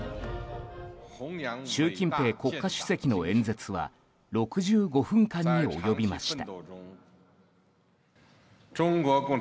習近平国家主席の演説は６５分間に及びました。